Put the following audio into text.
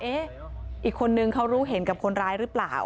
อีกคนนึงเขารู้เห็นกับคนร้ายหรือเปล่า